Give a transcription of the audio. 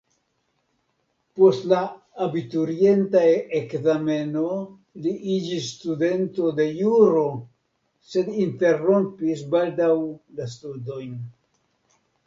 Post la abiturienta ekzameno li iĝis studento de juro sed interrompis baldaŭ la studojn.